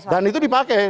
dan itu dipakai